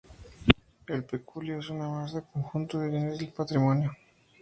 El peculio es una masa o conjunto de bienes del patrimonio.